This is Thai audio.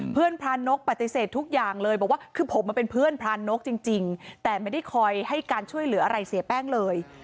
พรานกปฏิเสธทุกอย่างเลยบอกว่าคือผมมันเป็นเพื่อนพรานกจริงแต่ไม่ได้คอยให้การช่วยเหลืออะไรเสียแป้งเลย